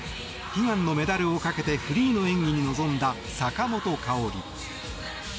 悲願のメダルをかけてフリーの演技に臨んだ坂本花織。